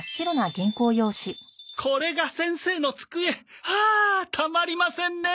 これが先生の机はあたまりませんね！